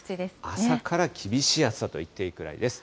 朝から厳しい暑さと言っていいくらいです。